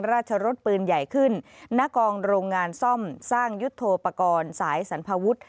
รสปืนใหญ่ขึ้นณกองโรงงานซ่อมสร้างยุทธโทปกรณ์สายสรรพาวุฒิ